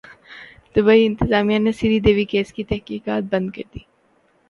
Dubai انتظامیہ نے Sridevi case کی تحقیقات بند کردی